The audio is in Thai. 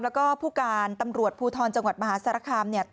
แล้วก็ผู้การตำรวจภูทรจังหวัดมหาสารคามเนี่ย